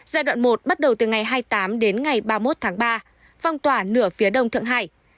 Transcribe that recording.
giai đoạn một bắt đầu từ ngày hai mươi tám đến ngày ba mươi một tháng ba phong tỏa nửa phía đông thượng hải